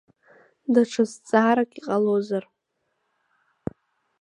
Даҽа зҵаарак иҟалозар…